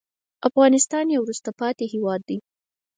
افغانستان یو وروسته پاتې هېواد دی.